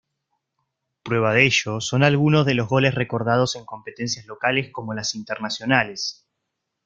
La prueba de ello son algunos goles recordados en competencias locales como las internacionales.